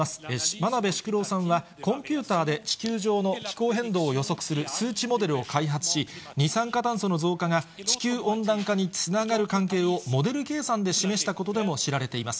真鍋淑郎さんは、コンピューターで地球上の気候変動を予測する数値モデルを開発し、二酸化炭素の増加が地球温暖化につながる関係をモデル計算で示したことでも知られています。